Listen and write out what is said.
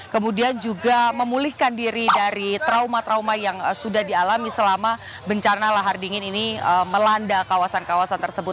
kemudian juga memulihkan diri dari trauma trauma yang sudah dialami selama bencana lahar dingin ini melanda kawasan kawasan tersebut